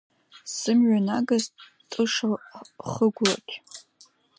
Сымҩа нагаз тыша хықәлагь…